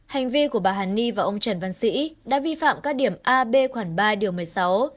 hành vi của bà hàn ni và ông trần văn sĩ đã vi phạm các điểm a b khoảng ba điều một mươi sáu